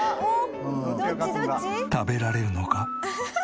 食べられるのか？